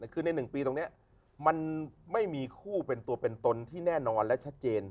คือใน๑ปีตรงนี้มันไม่มีคู่เป็นตัวเป็นตนที่แน่นอนและชัดเจน